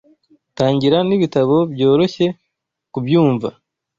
Tangira n'ibitabo byoroshye kubyumva.